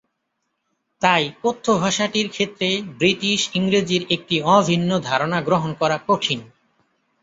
তাই কথ্য ভাষাটির ক্ষেত্রে ব্রিটিশ ইংরেজির একটি অভিন্ন ধারণা গ্রহণ করা কঠিন।